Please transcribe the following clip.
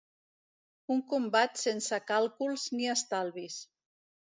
Un combat sense càlculs ni estalvis.